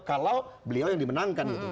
kalau beliau yang dimenangkan gitu